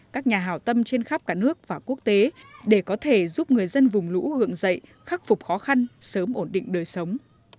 các nhà hào tâm trên khắp cả nước và quốc tế để có thể giúp người dân vùng lũ hướng dậy khắc phục khó khăn sớm ổn định đời sống